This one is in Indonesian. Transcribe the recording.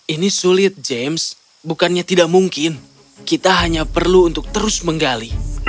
ini sulit james bukannya tidak mungkin kita hanya perlu untuk terus menggali